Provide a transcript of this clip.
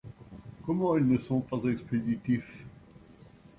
Comment, ils ne sont pas expéditifs.